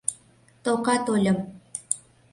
— Тока тольым.